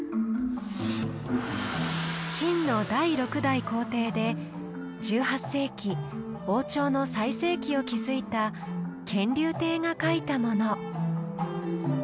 清の第６代皇帝で１８世紀王朝の最盛期を築いた乾隆帝が書いたもの。